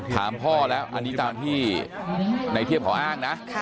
ถามพ่อแล้วอันนี้ตามที่ในเทียบเขาอ้างนะ